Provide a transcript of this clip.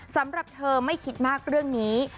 สำหรับเธอไม่คิดมากเรื่องนี้